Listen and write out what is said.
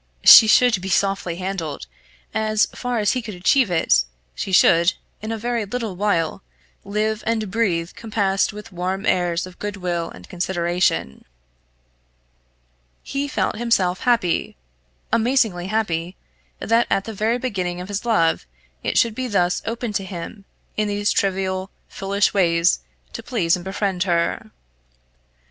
she should be softly handled; as far as he could achieve it, she should, in a very little while, live and breathe compassed with warm airs of good will and consideration. He felt himself happy, amazingly happy, that at the very beginning of his love, it should thus be open to him, in these trivial, foolish ways, to please and befriend her.